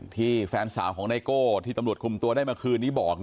ที่แฟนสาวของนายโก้ที่ตำรวจคลุมตัวได้มาคืนนี้บอก